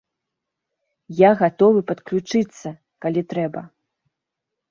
Я гатовы падключыцца, калі трэба.